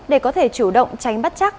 để có thể chủ động tránh bắt chắc